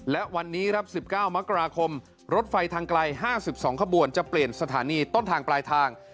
และวันนี้ครับ๑๙มกราคมรถไฟทางไกล๕๒ขบวนจะเปลี่ยนสถานีต้นทางปลายทาง